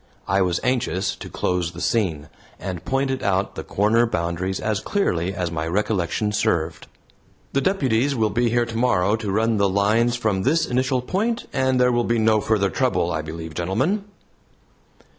I was anxious to close the scene, and pointed out the corner boundaries as clearly as my recollection served. "The deputies will be here tomorrow to run the lines from this initial point, and there will be no further trouble, I believe, gentlemen."